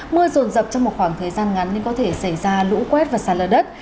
mưa rồn rập trong một khoảng thời gian ngắn nên có thể xảy ra lũ quét và xa lở đất